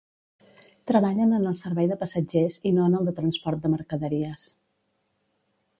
Treballen en el servei de passatgers i no en el de transport de mercaderies.